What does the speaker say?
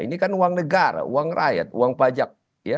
ini kan uang negara uang rakyat uang pajak